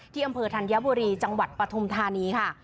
อำเภอธัญบุรีจังหวัดปฐุมธานีค่ะ